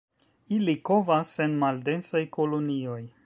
Ili kovas en maldensaj kolonioj.